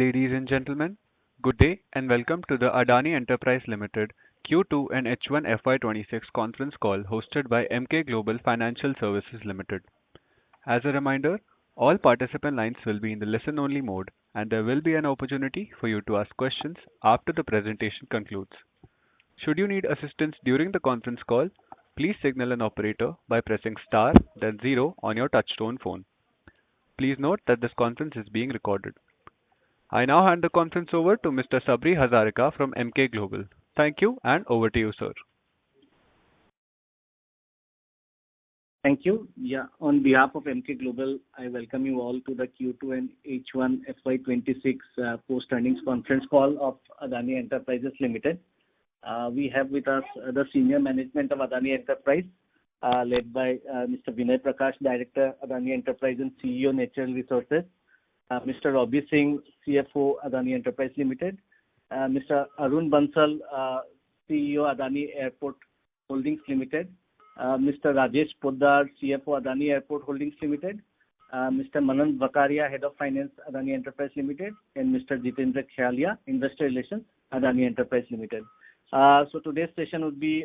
Ladies and gentlemen, good day and welcome to the Adani Enterprises Limited Q2 and H1 FY 2026 conference call hosted by Emkay Global Financial Services Limited. As a reminder, all participant lines will be in the listen-only mode, and there will be an opportunity for you to ask questions after the presentation concludes. Should you need assistance during the conference call, please signal an operator by pressing star, then zero on your touch-tone phone. Please note that this conference is being recorded. I now hand the conference over to Mr. Sabri Hazarika from Emkay Global. Thank you, and over to you, sir. Thank you. Yeah, on behalf of Emkay Global, I welcome you all to the Q2 and H1 FY 2026 post-earnings conference call of Adani Enterprises Limited. We have with us the senior management of Adani Enterprises, led by Mr. Vinay Prakash, Director, Adani Enterprises, and CEO, Natural Resources. Mr. Robbie Singh, CFO, Adani Enterprises Limited. Mr. Arun Bansal, CEO, Adani Airport Holdings Limited. Mr. Rajesh Poddar, CFO, Adani Airport Holdings Limited. Mr. Manan Vakharia, Head of Finance, Adani Enterprises Limited, and Mr. Jitendra Khyalia, Investor Relations, Adani Enterprises Limited. So today's session would be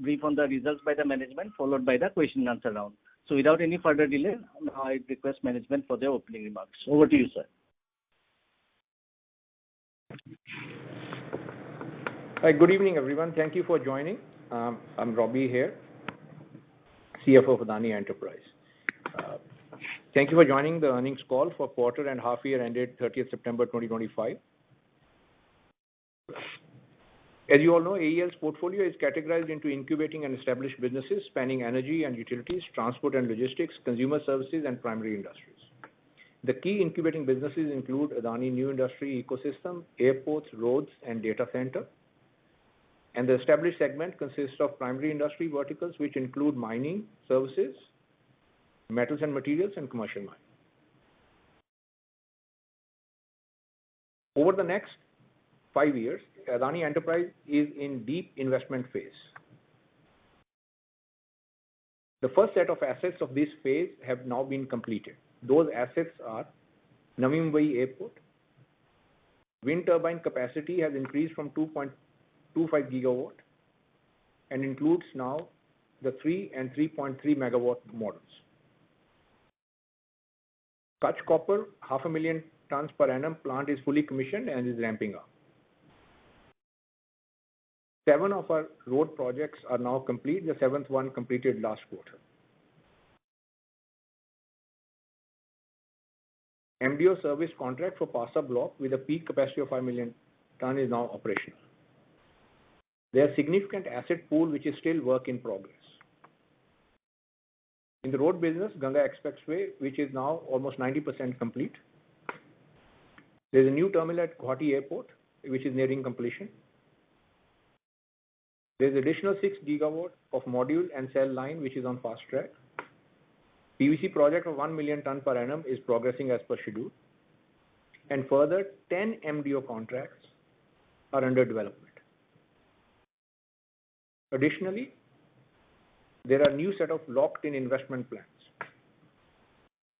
brief on the results by the management, followed by the question and answer round. So without any further delay, I request management for their opening remarks. Over to you, sir. Good evening, everyone. Thank you for joining. I'm Robbie here, CFO of Adani Enterprises. Thank you for joining the earnings call for quarter and half-year ended 30th September 2025. As you all know, AEL's portfolio is categorized into incubating and established businesses spanning energy and utilities, transport and logistics, consumer services, and primary industries. The key incubating businesses include Adani New Industries ecosystem, airports, roads, and data center. The established segment consists of primary industry verticals, which include mining, services, metals and materials, and commercial mining. Over the next five years, Adani Enterprises is in deep investment phase. The first set of assets of this phase have now been completed. Those assets are Navi Mumbai Airport. Wind turbine capacity has increased from 2.25 GW and includes now the 3 MW and 3.3 MW models. Kutch Copper, 500,000 tons per annum plant is fully commissioned and is ramping up. Seven of our road projects are now complete, the seventh one completed last quarter. MDO service contract for Parsa Block with a peak capacity of 5 million tons is now operational. There is a significant asset pool, which is still work in progress. In the road business, Ganga Expressway, which is now almost 90% complete. There's a new terminal at Guwahati Airport, which is nearing completion. There's additional 6 GW of module and cell line, which is on fast track. PVC project of 1 million tons per annum is progressing as per schedule. And further, 10 MDO contracts are under development. Additionally, there are a new set of locked-in investment plans.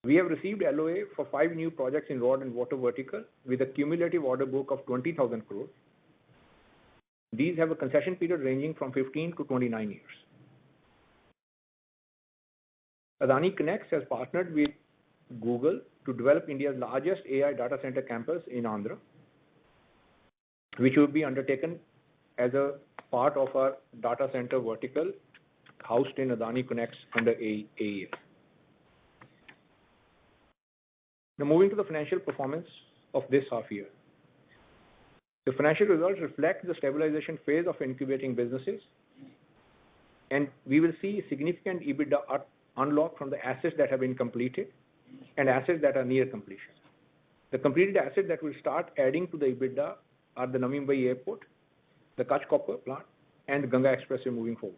We have received LOA for five new projects in road and water vertical with a cumulative order book of 20,000 crore. These have a concession period ranging from 15 years-29 years. AdaniConneX has partnered with Google to develop India's largest AI data center campus in Andhra, which will be undertaken as a part of our data center vertical housed in AdaniConneX under AEL. Now moving to the financial performance of this half year. The financial results reflect the stabilization phase of incubating businesses, and we will see significant EBITDA unlocked from the assets that have been completed and assets that are near completion. The completed assets that will start adding to the EBITDA are the Navi Mumbai Airport, the Kutch Copper plant, and Ganga Expressway moving forward.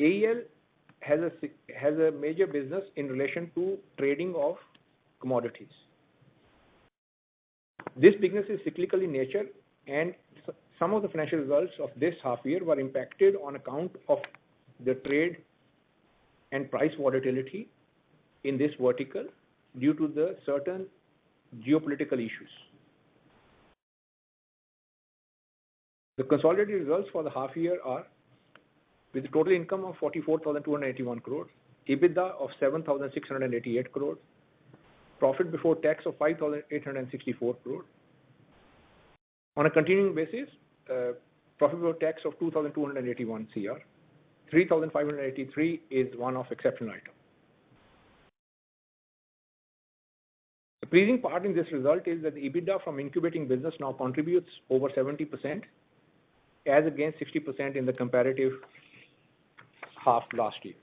AEL has a major business in relation to trading of commodities. This business is cyclical in nature, and some of the financial results of this half year were impacted on account of the trade and price volatility in this vertical due to the certain geopolitical issues. The consolidated results for the half year are with a total income of 44,281 crore, EBITDA of 7,688 crore, profit before tax of 5,864 crore. On a continuing basis, profit before tax of 2,281 crore. 3,583 crore is one-off exceptional items. The pleasing part in this result is that the EBITDA from incubating business now contributes over 70%, as against 60% in the comparative half last year.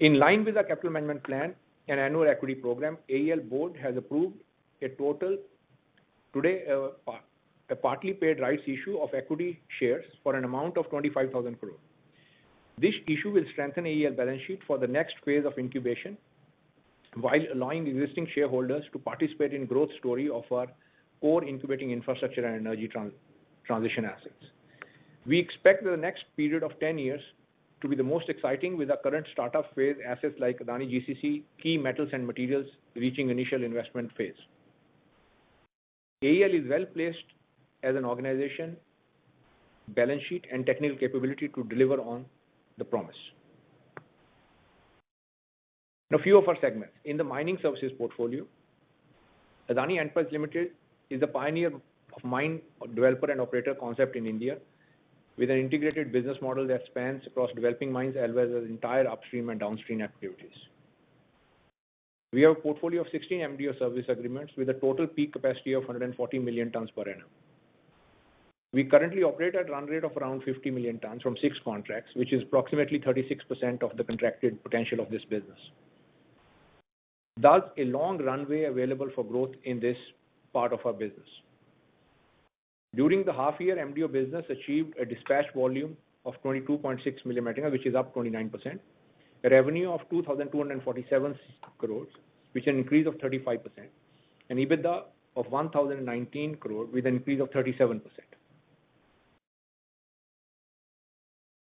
In line with the capital management plan and annual equity program, AEL board has approved today a partly paid rights issue of equity shares for an amount of 25,000 crore. This issue will strengthen AEL balance sheet for the next phase of incubation while allowing existing shareholders to participate in the growth story of our core incubating infrastructure and energy transition assets. We expect the next period of 10 years to be the most exciting with our current startup phase assets like Adani Kutch Copper, key metals and materials reaching initial investment phase. AEL is well placed as an organization, balance sheet, and technical capability to deliver on the promise. A few of our segments. In the mining services portfolio, Adani Enterprises Limited is the pioneer of mine developer and operator concept in India with an integrated business model that spans across developing mines as well as entire upstream and downstream activities. We have a portfolio of 16 MDO service agreements with a total peak capacity of 140 million tons per annum. We currently operate at a run rate of around 50 million tons from six contracts, which is approximately 36% of the contracted potential of this business. Thus, a long runway available for growth in this part of our business. During the half year, MDO business achieved a dispatch volume of 22.6 million metric tons, which is up 29%, a revenue of 2,247 crore, which is an increase of 35%, and EBITDA of 1,019 crore with an increase of 37%.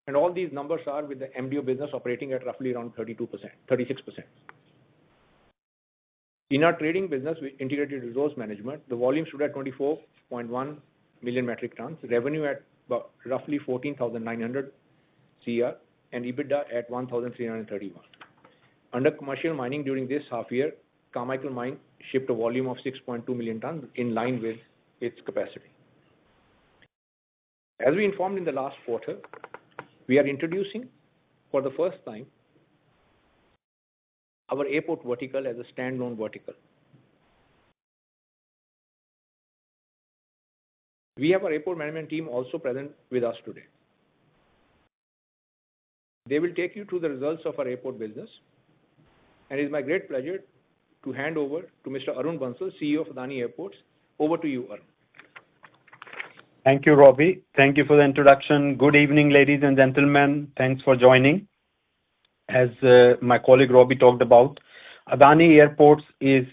And all these numbers are with the MDO business operating at roughly around 36%. In our trading business with integrated resource management, the volume stood at 24.1 million metric tons, revenue at roughly 14,900 crore, and EBITDA at 1,331 crore. Under commercial mining during this half year, Carmichael Mine shipped a volume of 6.2 million tons in line with its capacity. As we informed in the last quarter, we are introducing for the first time our airport vertical as a standalone vertical. We have our airport management team also present with us today. They will take you through the results of our airport business, and it is my great pleasure to hand over to Mr. Arun Bansal, CEO of Adani Airports. Over to you, Arun. Thank you, Robbie. Thank you for the introduction. Good evening, ladies and gentlemen. Thanks for joining. As my colleague Robbie talked about, Adani Airports is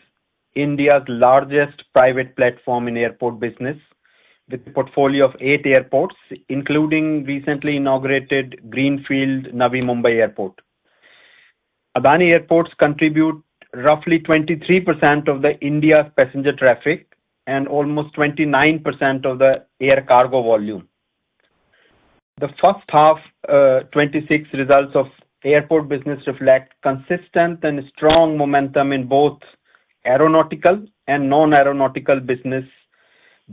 India's largest private platform in airport business with a portfolio of eight airports, including recently inaugurated greenfield Navi Mumbai Airport. Adani Airports contributes roughly 23% of India's passenger traffic and almost 29% of the air cargo volume. The first half FY 2026 results of airport business reflect consistent and strong momentum in both aeronautical and non-aeronautical business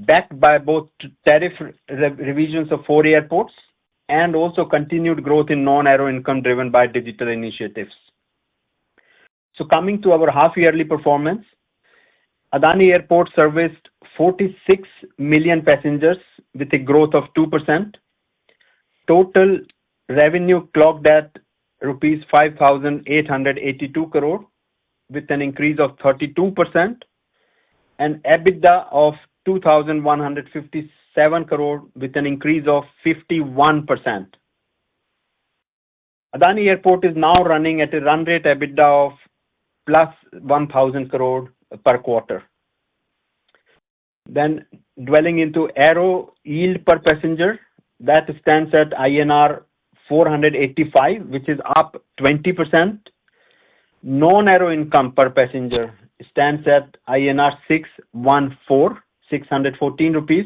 backed by both tariff revisions of four airports and also continued growth in non-aero income driven by digital initiatives. So coming to our half-yearly performance, Adani Airports serviced 46 million passengers with a growth of 2%. Total revenue clocked at rupees 5,882 crore with an increase of 32% and EBITDA of 2,157 crore with an increase of 51%. Adani Airports is now running at a run rate EBITDA of plus 1,000 crore per quarter. Delving into Aero Yield per passenger, that stands at INR 485 crore, which is up 20%. Non-Aero Income per passenger stands at 614 crore rupees,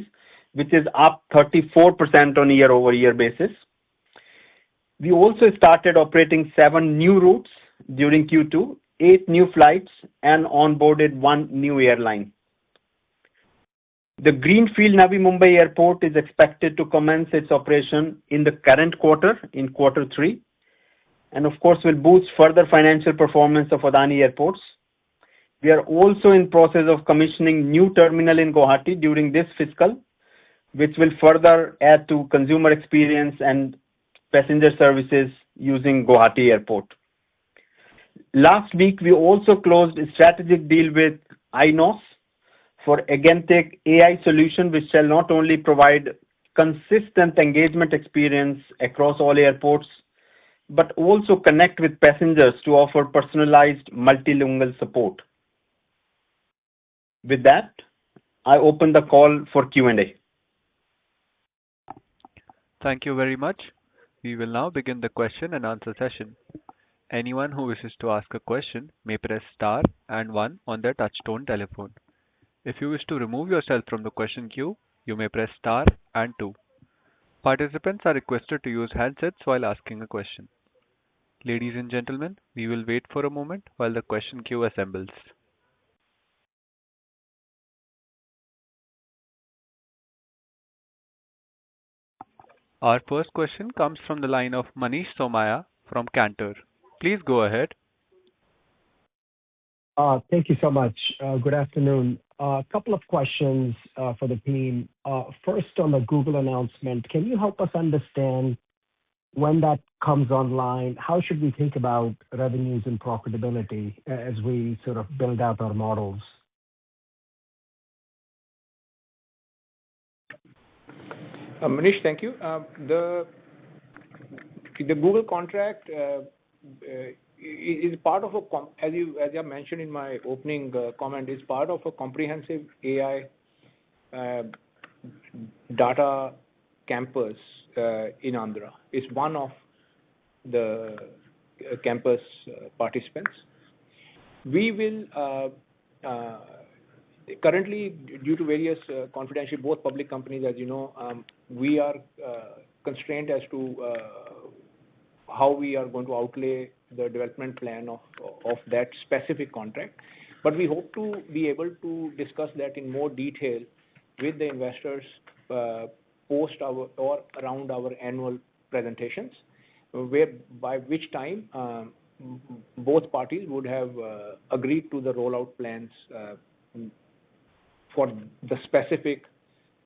which is up 34% on a year-over-year basis. We also started operating seven new routes during Q2, eight new flights, and onboarded one new airline. The greenfield Navi Mumbai Airport is expected to commence its operation in the current quarter, in quarter three, and of course, will boost further financial performance of Adani Airports. We are also in the process of commissioning a new terminal in Guwahati during this fiscal, which will further add to consumer experience and passenger services using Guwahati Airport. Last week, we also closed a strategic deal with AionOS for Agentic AI solution, which shall not only provide consistent engagement experience across all airports, but also connect with passengers to offer personalized multilingual support. With that, I open the call for Q&A. Thank you very much. We will now begin the question and answer session. Anyone who wishes to ask a question may press star and one on their touch-tone telephone. If you wish to remove yourself from the question queue, you may press star and two. Participants are requested to use handsets while asking a question. Ladies and gentlemen, we will wait for a moment while the question queue assembles. Our first question comes from the line of Manish Somaiya from Cantor. Please go ahead. Thank you so much. Good afternoon. A couple of questions for the team. First, on the Google announcement, can you help us understand when that comes online? How should we think about revenues and profitability as we sort of build out our models? Manish, thank you. The Google contract is part of a, as I mentioned in my opening comment, comprehensive AI data campus in Andhra. It's one of the campus participants. Currently, due to various confidential, both public companies, as you know, we are constrained as to how we are going to outlay the development plan of that specific contract. But we hope to be able to discuss that in more detail with the investors post or around our annual presentations, by which time both parties would have agreed to the rollout plans for the specific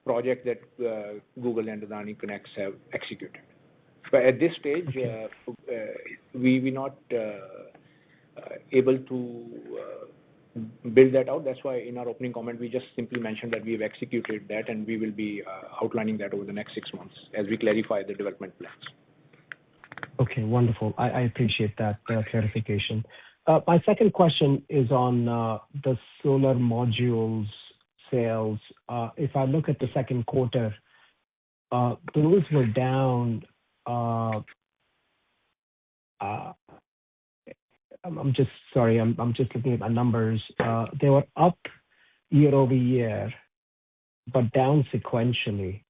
project that Google and AdaniConneX have executed. But at this stage, we will not be able to build that out. That's why in our opening comment, we just simply mentioned that we have executed that, and we will be outlining that over the next six months as we clarify the development plans. Okay, wonderful. I appreciate that clarification. My second question is on the solar modules sales. If I look at the second quarter, those were down. I'm just sorry, I'm just looking at my numbers. They were up year-over-year, but down sequentially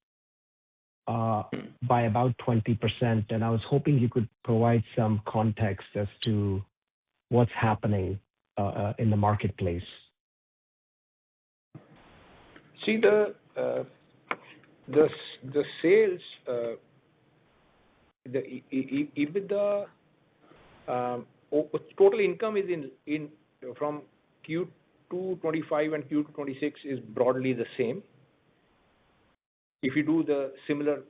by about 20%. And I was hoping you could provide some context as to what's happening in the marketplace? See, the sales, the EBITDA, total income from Q2 2025 and Q2 2026 is broadly the same if you do the similar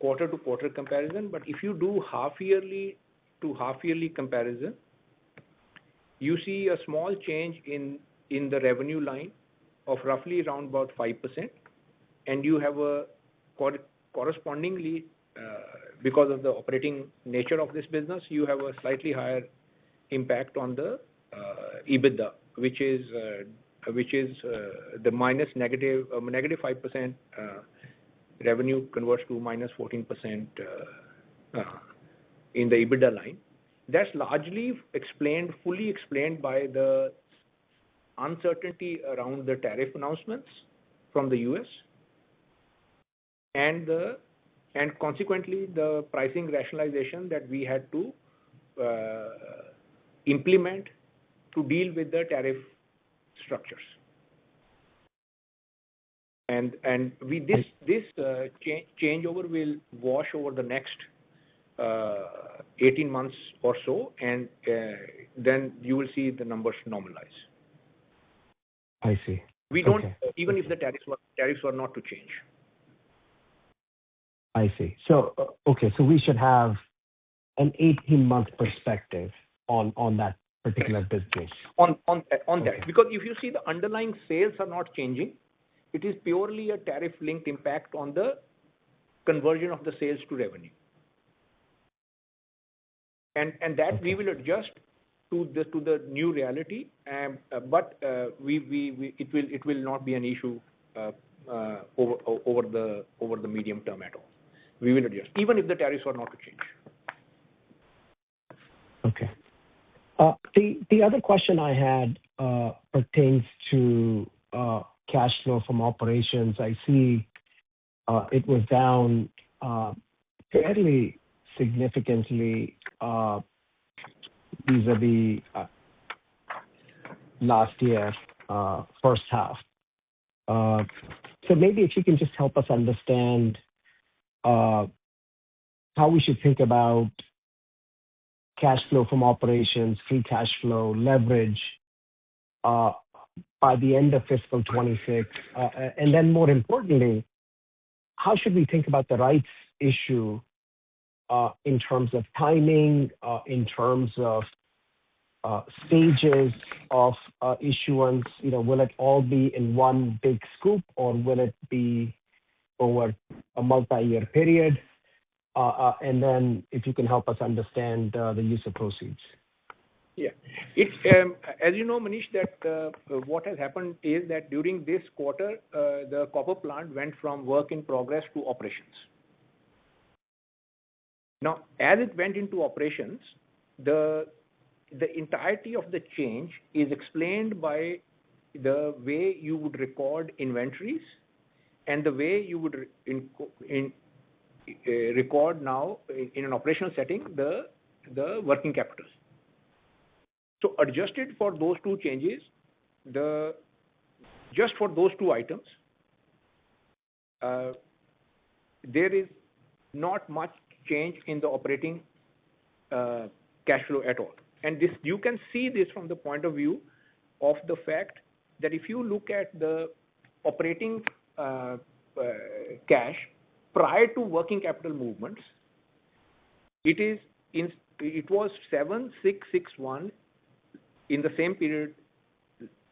quarter-to-quarter comparison. But if you do half-yearly to half-yearly comparison, you see a small change in the revenue line of roughly around about 5%. And you have a correspondingly, because of the operating nature of this business, you have a slightly higher impact on the EBITDA, which is the -5% revenue converts to -14% in the EBITDA line. That's largely fully explained by the uncertainty around the tariff announcements from the U.S. and consequently the pricing rationalization that we had to implement to deal with the tariff structures. And this changeover will wash over the next 18 months or so, and then you will see the numbers normalize. I see. Even if the tariffs were not to change. I see. Okay, so we should have an 18-month perspective on that particular business. On that. Because if you see the underlying sales are not changing, it is purely a tariff-linked impact on the conversion of the sales to revenue. And that we will adjust to the new reality, but it will not be an issue over the medium term at all. We will adjust, even if the tariffs were not to change. Okay. The other question I had pertains to cash flow from operations. I see it was down fairly significantly vis-à-vis last year's first half. So maybe if you can just help us understand how we should think about cash flow from operations, free cash flow, leverage by the end of fiscal 2026. And then more importantly, how should we think about the rights issue in terms of timing, in terms of stages of issuance? Will it all be in one big scoop, or will it be over a multi-year period? And then if you can help us understand the use of proceeds. Yeah. As you know, Manish, that what has happened is that during this quarter, the copper plant went from work in progress to operations. Now, as it went into operations, the entirety of the change is explained by the way you would record inventories and the way you would record now in an operational setting the working capitals. So adjusted for those two changes, just for those two items, there is not much change in the operating cash flow at all. And you can see this from the point of view of the fact that if you look at the operating cash prior to working capital movements, it was 7661 crore in the same period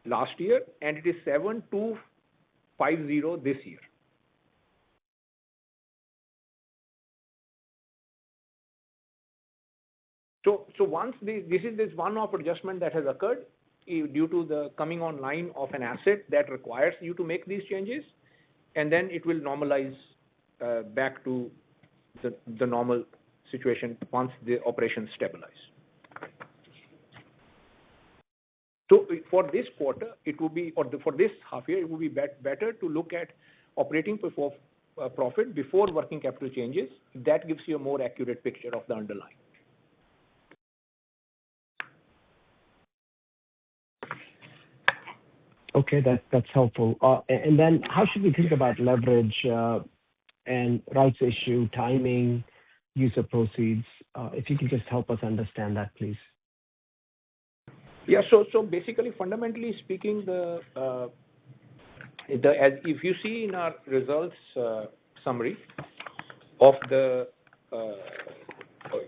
last year, and it is 7250 crore this year. So this is one of the adjustments that has occurred due to the coming online of an asset that requires you to make these changes, and then it will normalize back to the normal situation once the operations stabilize. So for this quarter, it will be for this half year, it will be better to look at operating profit before working capital changes. That gives you a more accurate picture of the underlying. Okay, that's helpful. And then how should we think about leverage and rights issue, timing, use of proceeds? If you can just help us understand that, please. Yeah. So basically, fundamentally speaking, if you see in our results summary and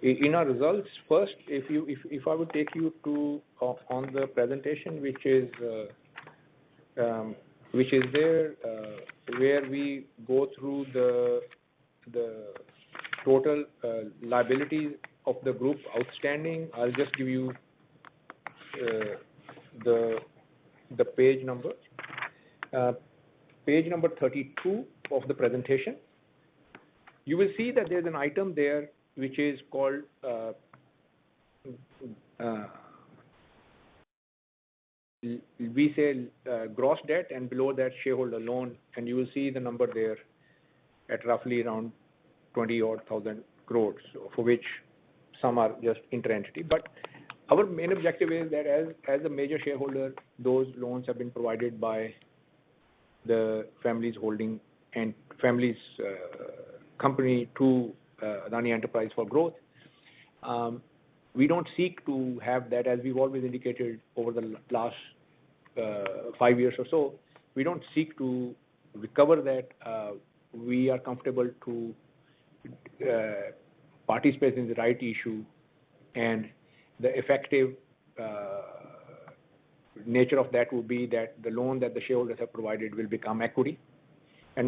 in our results, first, if I would take you to the presentation, which is there, where we go through the total liabilities of the group outstanding, I'll just give you the page number. Page number 32 of the presentation, you will see that there's an item there, which is called, we say, gross debt, and below that, shareholder loan. And you will see the number there at roughly around 20,000 crore, for which some are just inter-entity. But our main objective is that as a major shareholder, those loans have been provided by the family's company to Adani Enterprises for growth. We don't seek to have that, as we've always indicated over the last five years or so. We don't seek to recover that. We are comfortable to participate in the rights issue. The effective nature of that will be that the loan that the shareholders have provided will become equity.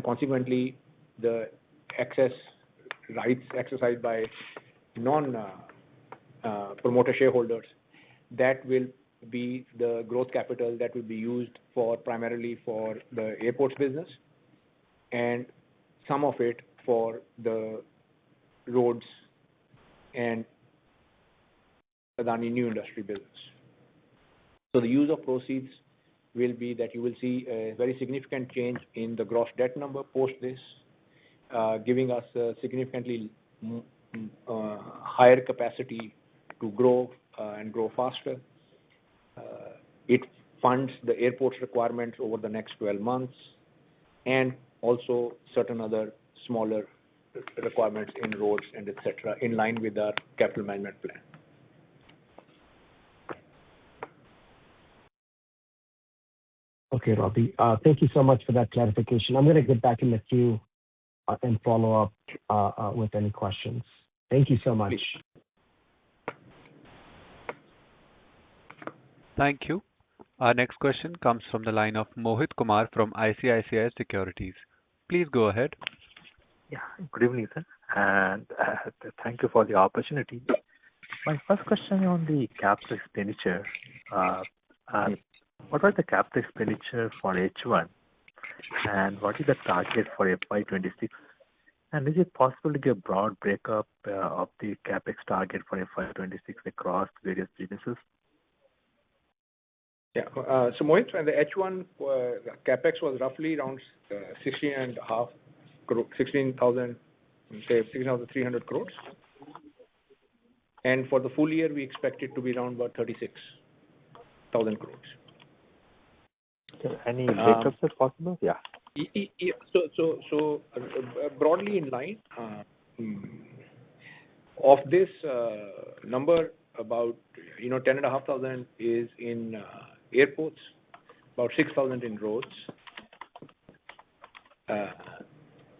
Consequently, the excess rights exercised by non-promoter shareholders, that will be the growth capital that will be used primarily for the airports business and some of it for the roads and Adani New Industries business. The use of proceeds will be that you will see a very significant change in the gross debt number post this, giving us a significantly higher capacity to grow and grow faster. It funds the airports requirements over the next 12 months and also certain other smaller requirements in roads and etc., in line with our capital management plan. Okay, Robbie, thank you so much for that clarification. I'm going to get back in the queue and follow up with any questions. Thank you so much. Appreciate it. Thank you. Our next question comes from the line of Mohit Kumar from ICICI Securities. Please go ahead. Yeah. Good evening, sir. And thank you for the opportunity. My first question on the CapEx expenditure. What are the CapEx expenditures for H1? And what is the target for FY 2026? And is it possible to get a broad breakup of the CapEx target for FY 2026 across various businesses? Yeah. So Mohit, for the H1, CapEx was roughly around 16,000 crore, say, 16,300 crore. And for the full year, we expect it to be around about 36,000 crore. Okay. Any data set possible? Yeah. Yeah. So broadly in line, of this number, about 10,500 crore is in airports, about 6,000 crore in roads,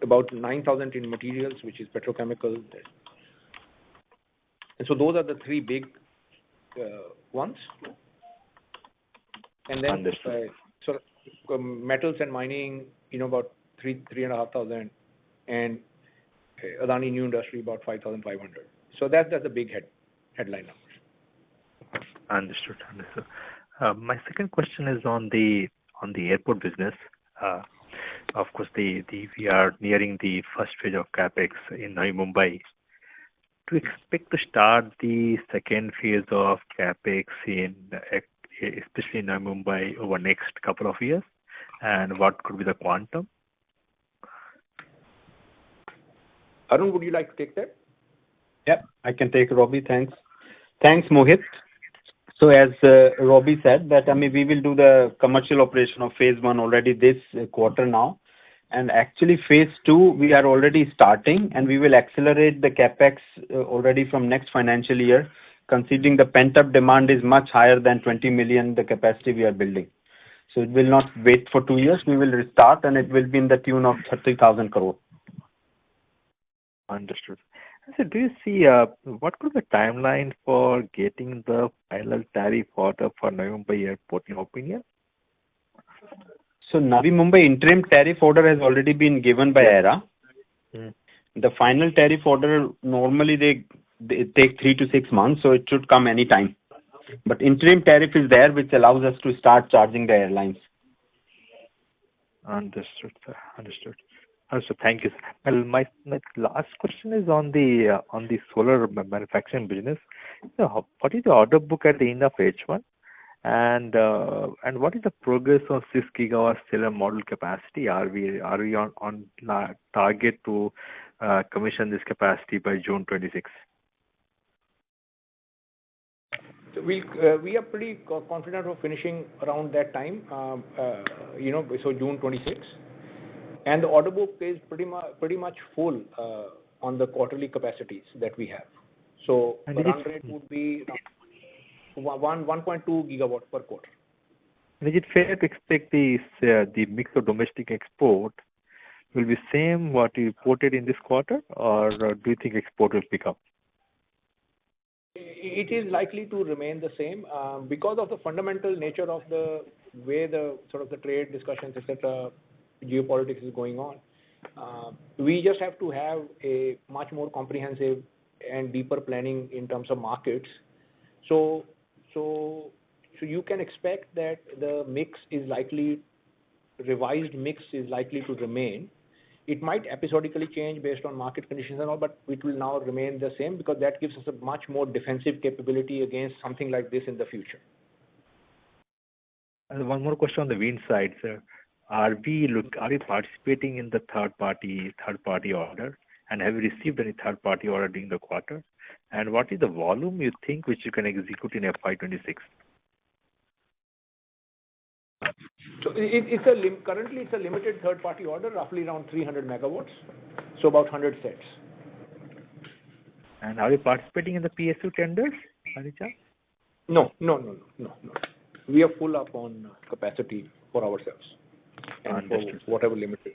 about 9,000 crore in materials, which is petrochemicals. And then. Understood. So metals and materials, about 3,500 crore. And Adani New Industries, about 5,500 crore. So that's the big headline numbers. Understood. My second question is on the airport business. Of course, we are nearing the first phase of CapEx in Navi Mumbai. Do you expect to start the second phase of CapEx, especially in Navi Mumbai, over the next couple of years? And what could be the quantum? Arun, would you like to take that? Yeah, I can take it, Robbie, thanks. Thanks, Mohit. So as Robbie said, that I mean, we will do the commercial operation of phase one already this quarter now. And actually, phase two, we are already starting, and we will accelerate the CapEx already from next financial year, considering the pent-up demand is much higher than 20 million, the capacity we are building. So it will not wait for two years. We will restart, and it will be to the tune of 30,000 crore. Understood. So do you see what could be the timeline for getting the final tariff order for Navi Mumbai Airport, in your opinion? So Navi Mumbai interim tariff order has already been given by AERA. The final tariff order, normally, it takes three to six months, so it should come any time. But interim tariff is there, which allows us to start charging the airlines. Understood, sir. Understood. So thank you. Well, my last question is on the solar manufacturing business. What is the order book at the end of H1? And what is the progress on six GW module capacity? Are we on target to commission this capacity by June 2026? We are pretty confident of finishing around that time, so June 26. And the order book is pretty much full on the quarterly capacities that we have. So the run rate would be 1.2 GW per quarter. Is it fair to expect the mix of domestic export will be the same what you reported in this quarter, or do you think export will pick up? It is likely to remain the same because of the fundamental nature of the way the sort of trade discussions, etc., geopolitics is going on. We just have to have a much more comprehensive and deeper planning in terms of markets. So you can expect that the revised mix is likely to remain. It might episodically change based on market conditions and all, but it will now remain the same because that gives us a much more defensive capability against something like this in the future. One more question on the wind side, sir. Are we participating in the third-party order, and have you received any third-party order during the quarter? What is the volume you think which you can execute in FY 2026? Currently, it's a limited third-party order, roughly around 300 MW, so about 100 sets. Are you participating in the PSU tenders, by any chance? No. No. No. No. No. We are full up on capacity for ourselves and whatever limit is.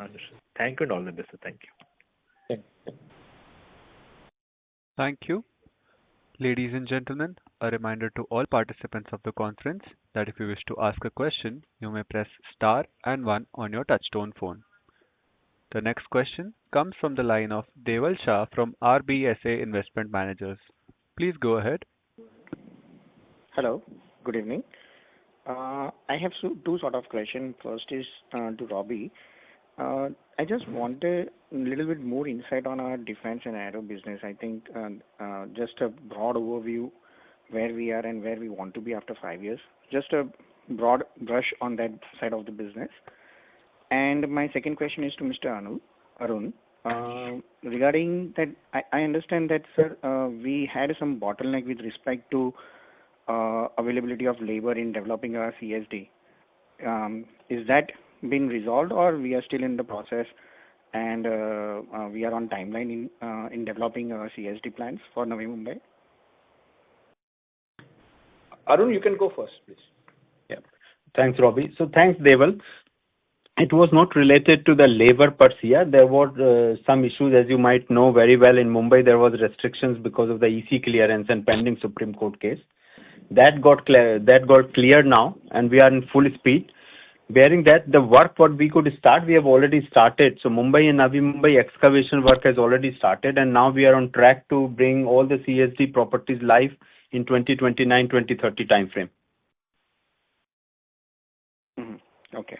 Understood. Thank you, Robbie. Thank you. Thank you. Thank you. Ladies and gentlemen, a reminder to all participants of the conference that if you wish to ask a question, you may press star and one on your touch-tone phone. The next question comes from the line of Deval Shah from RBSA Investment Managers. Please go ahead. Hello. Good evening. I have two sort of questions. First is to Robbie. I just wanted a little bit more insight on our defense and aero business. I think just a broad overview, where we are and where we want to be after five years. Just a broad brush on that side of the business. And my second question is to Mr. Arun. Regarding that, I understand that, sir, we had some bottleneck with respect to availability of labor in developing our CSD. Is that been resolved, or we are still in the process, and we are on timeline in developing our CSD plans for Navi Mumbai? Arun, you can go first, please. Yeah. Thanks, Robbie. So thanks, Deval. It was not related to the labor per se. There were some issues, as you might know very well. In Mumbai, there were restrictions because of the EC clearance and pending Supreme Court case. That got cleared now, and we are in full speed. Bearing that, the work we could start, we have already started. So Mumbai and Navi Mumbai excavation work has already started, and now we are on track to bring all the CSD properties live in 2029, 2030 timeframe. Okay.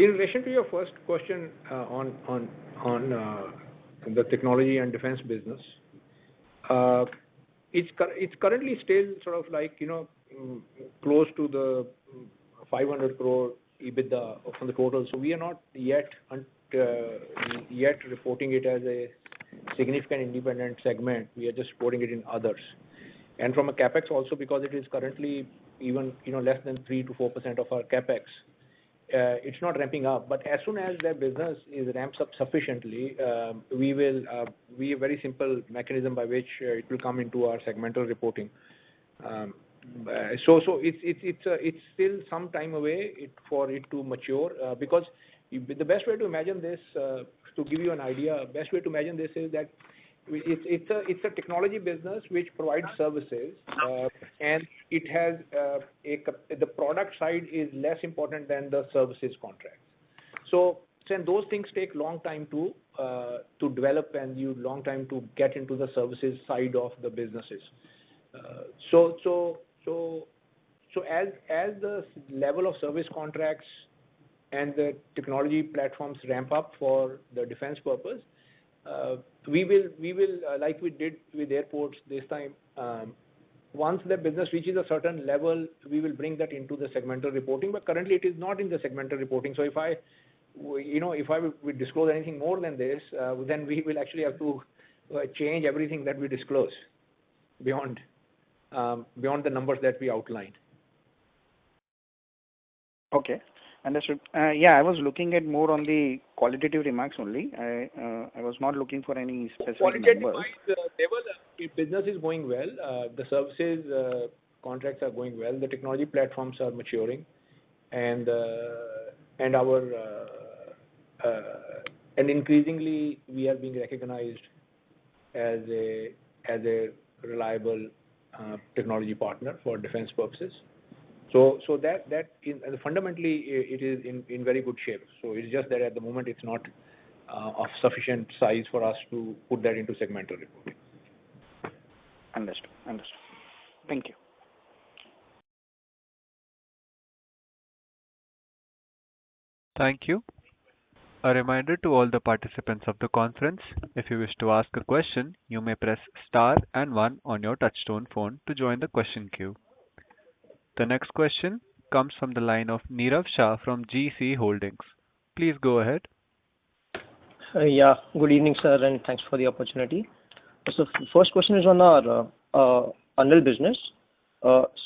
In relation to your first question on the technology and defense business, it's currently still sort of close to the 500 crore EBITDA from the total, so we are not yet reporting it as a significant independent segment. We are just supporting it in others, and from a CapEx also, because it is currently even less than 3%-4% of our CapEx, it's not ramping up, but as soon as that business ramps up sufficiently, we will be a very simple mechanism by which it will come into our segmental reporting, so it's still some time away for it to mature, because the best way to imagine this, to give you an idea, the best way to imagine this is that it's a technology business which provides services, and the product side is less important than the services contracts. So those things take a long time to develop, and you need a long time to get into the services side of the businesses. So as the level of service contracts and the technology platforms ramp up for the defense purpose, we will, like we did with airports this time, once the business reaches a certain level, we will bring that into the segmental reporting. But currently, it is not in the segmental reporting. So if I would disclose anything more than this, then we will actually have to change everything that we disclose beyond the numbers that we outlined. Okay. Understood. Yeah. I was looking at more on the qualitative remarks only. I was not looking for any specific numbers. Qualitative-wise, Deval, business is going well. The services contracts are going well. The technology platforms are maturing, and increasingly, we are being recognized as a reliable technology partner for defense purposes, so fundamentally, it is in very good shape, so it's just that at the moment, it's not of sufficient size for us to put that into segmental reporting. Understood. Understood. Thank you. Thank you. A reminder to all the participants of the conference, if you wish to ask a question, you may press star and one on your touch-tone phone to join the question queue. The next question comes from the line of Nirav Shah from GeeCee Ventures. Please go ahead. Yeah. Good evening, sir, and thanks for the opportunity. So the first question is on module business.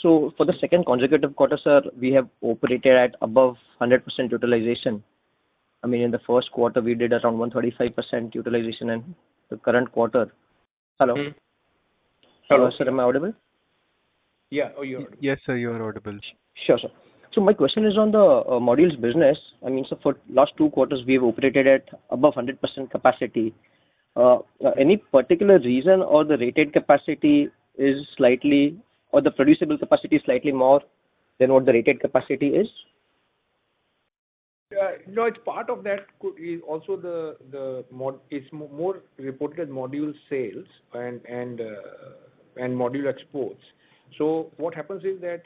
So for the second consecutive quarter, sir, we have operated at above 100% utilization. I mean, in the first quarter, we did around 135% utilization in the current quarter. Hello. Hello, sir. Am I audible? Yeah. Oh, you're audible. Yes, sir. You are audible. Sure, sir. So my question is on the modules business. I mean, so for the last two quarters, we have operated at above 100% capacity. Any particular reason or the rated capacity is slightly, or the producible capacity is slightly more than what the rated capacity is? No. It's part of that. Also, it's more reported as module sales and module exports. So what happens is that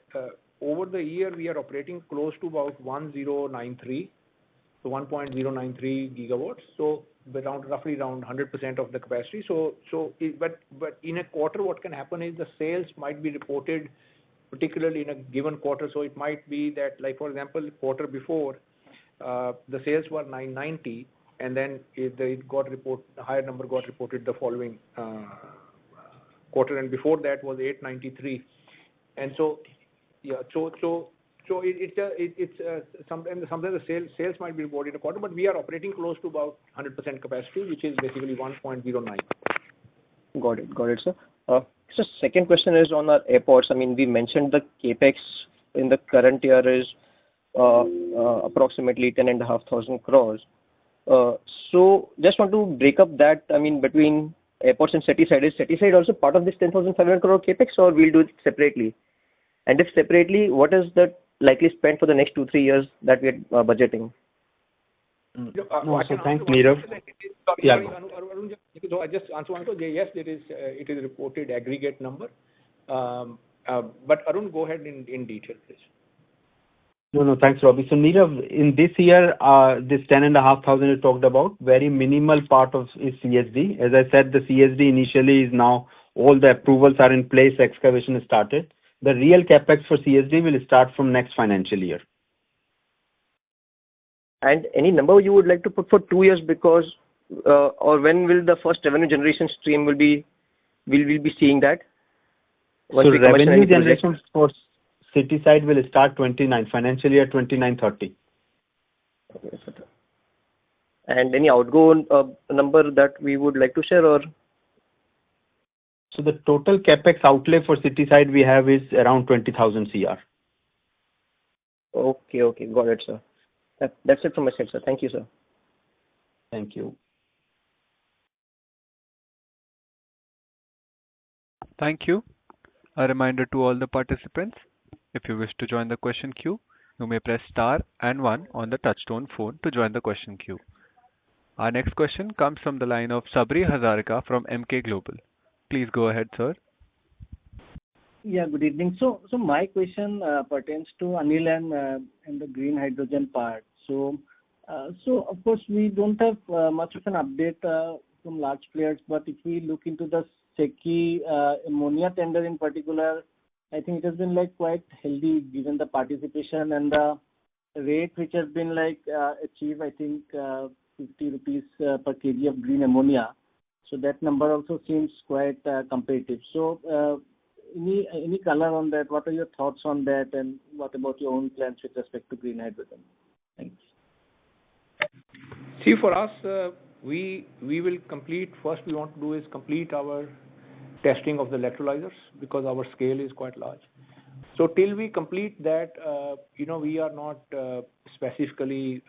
over the year, we are operating close to about 1.093 GW, so roughly around 100% of the capacity. But in a quarter, what can happen is the sales might be reported, particularly in a given quarter. So it might be that, for example, the quarter before, the sales were 990 crore, and then a higher number got reported the following quarter. And before that was 893 crore. And so yeah. So sometimes the sales might be reported in a quarter, but we are operating close to about 100% capacity, which is basically 1.09 GW. Got it. Got it, sir. So the second question is on the airports. I mean, we mentioned the CapEx in the current year is approximately 10,500 crore. So just want to break up that. I mean, between airports and City Side, is City Side also part of this 10,500 crore CapEx, or will do it separately? And if separately, what is the likely spend for the next two, three years that we are budgeting? Okay. Thanks, Nirav. Yeah. So I just want to say, yes, it is reported aggregate number. But Arun, go ahead in detail, please. No, no. Thanks, Robbie. So Nirav, in this year, this 10,500 crore is talked about, very minimal part of CSD. As I said, the CSD initially is now all the approvals are in place, excavation has started. The real CapEx for CSD will start from next financial year. Any number you would like to put for two years because, or when will the first revenue generation stream will be seeing that? Revenue generation for City Side will start financial year 2030. And any outgoing number that we would like to share, or? The total CapEx outlay for City Side we have is around 20,000 crore. Okay. Okay. Got it, sir. That's it from my side, sir. Thank you, sir. Thank you. Thank you. A reminder to all the participants, if you wish to join the question queue, you may press star and one on the touchtone phone to join the question queue. Our next question comes from the line of Sabri Hazarika from Emkay Global. Please go ahead, sir. Yeah. Good evening. So my question pertains to ANIL and the green hydrogen part. So of course, we don't have much of an update from large players, but if we look into the SECI ammonia tender in particular, I think it has been quite healthy given the participation and the rate which has been achieved, I think, 50 crore rupees per kg of green ammonia. So that number also seems quite competitive. So any color on that? What are your thoughts on that, and what about your own plans with respect to green hydrogen? Thanks. See, for us, we will complete first, we want to do is complete our testing of the electrolyzers because our scale is quite large. So till we complete that, we are not specifically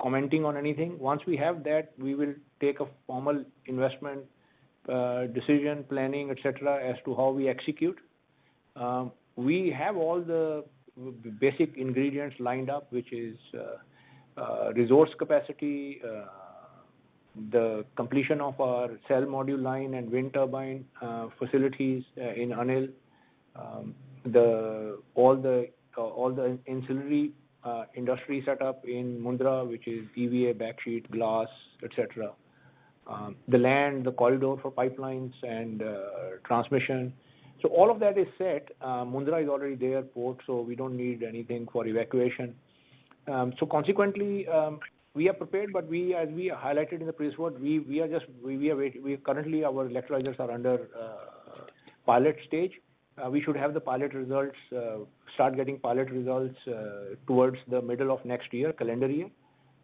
commenting on anything. Once we have that, we will take a formal investment decision, planning, etc., as to how we execute. We have all the basic ingredients lined up, which is resource capacity, the completion of our cell module line and wind turbine facilities in ANIL, all the ancillary industry setup in Mundra, which is EVA, back sheet, glass, etc., the land, the corridor for pipelines and transmission. So all of that is set. Mundra is already there port, so we don't need anything for evacuation. So consequently, we are prepared, but as we highlighted in the previous word, we are just currently our electrolyzers are under pilot stage. We should have the pilot results towards the middle of next year, calendar year,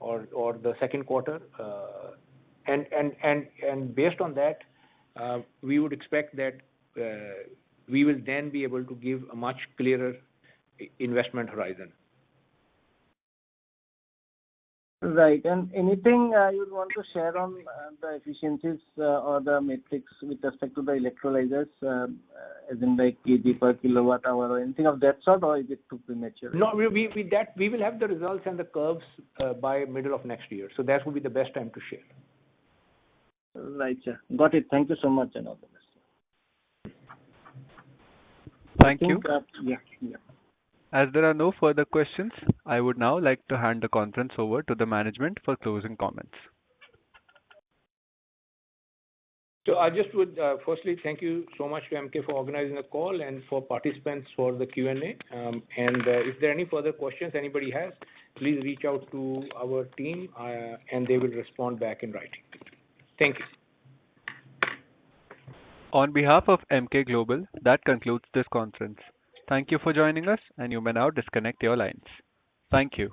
or the second quarter. And based on that, we would expect that we will then be able to give a much clearer investment horizon. Right. And anything you would want to share on the efficiencies or the metrics with respect to the electrolyzers, as in like kg/kWh or anything of that sort, or is it too premature? No. We will have the results and the curves by middle of next year. So that will be the best time to share. Right. Got it. Thank you so much, Robbie. Thank you. Yeah. As there are no further questions, I would now like to hand the conference over to the management for closing comments. I just would firstly thank you so much to Emkay for organizing the call and for participants for the Q&A. If there are any further questions anybody has, please reach out to our team, and they will respond back in writing. Thank you. On behalf of MK Global, that concludes this conference. Thank you for joining us, and you may now disconnect your lines. Thank you.